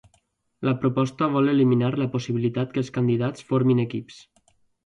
La proposta vol eliminar la possibilitat que els candidats formin equips.